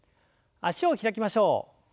脚を開きましょう。